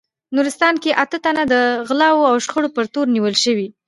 نورستان کې اته تنه د غلاوو او شخړو په تور نیول شوي